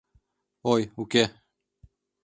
Ой, уке!